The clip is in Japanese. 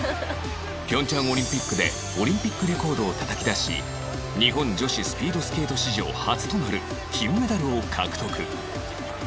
平昌オリンピックでオリンピックレコードを叩き出し日本女子スピードスケート史上初となる金メダルを獲得